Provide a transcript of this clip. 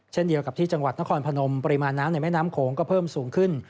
เช่นเดียวกับที่จังหวัดนครพนมปริมาณน้ำในแม่น้ำโขงก็เพิ่มสูงขึ้น